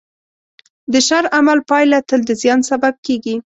د شر عمل پایله تل د زیان سبب کېږي.